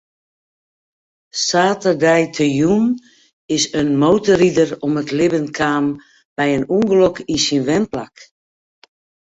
Saterdeitejûn is in motorrider om it libben kaam by in ûngelok yn syn wenplak.